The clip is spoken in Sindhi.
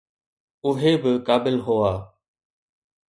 اهي به قابل هئا.